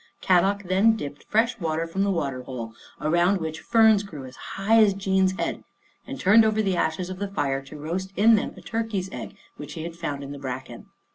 Kadok then dipped fresh water from the water hole, around which ferns grew as high as Jean's head, and turned over the ashes of the fire to roast in them a turkey's egg which he had found in the bracken.